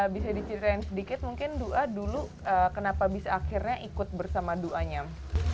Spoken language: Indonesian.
bisa dicirain sedikit mungkin dua dulu kenapa bisa akhirnya ikut bersama duanyam